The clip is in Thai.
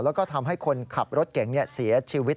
และทำให้คนขับรถเก่งนี้เสียชีวิต